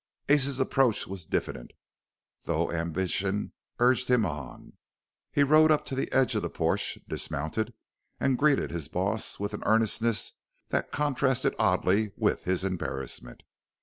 Ace's approach was diffident, though ambition urged him on. He rode up to the edge of the porch, dismounted, and greeted his boss with an earnestness that contrasted oddly with his embarrassment.